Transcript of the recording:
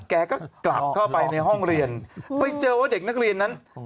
แกก็กลับเข้าไปในห้องเรียนไปเจอว่าเด็กนักเรียนนั้น